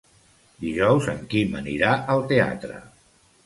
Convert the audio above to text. Dijous en Quim anirà al teatre.